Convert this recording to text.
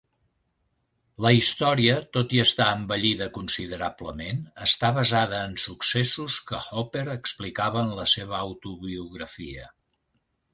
La història, tot i estar embellida considerablement, està basada en successos que Hopper explicava en la seva autobiografia.